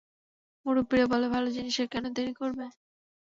মুরুব্বিরা বলে, ভালো জিনিসে কেন দেরি করবে।